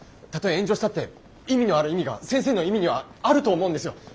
たとえ炎上したって意味のある意味が先生の意味にはあると思うんですよ。